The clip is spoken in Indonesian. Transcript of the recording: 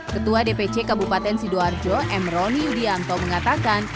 ketua dpc kabupaten sidoarjo emroni yudianto mengatakan